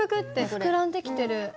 膨らんできてる。